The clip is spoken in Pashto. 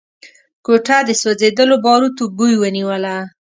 کوټه د سوځېدلو باروتو بوی ونيوله.